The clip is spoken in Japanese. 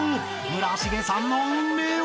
村重さんの運命は？］